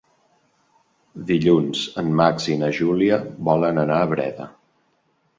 Dilluns en Max i na Júlia volen anar a Breda.